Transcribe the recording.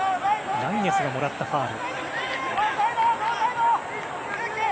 ライネスがもらったファウル。